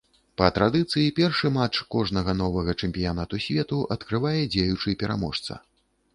Па традыцыі, першы матч кожнага новага чэмпіянату свету адкрывае дзеючы пераможца.